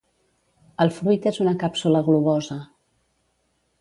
El fruit és una càpsula globosa.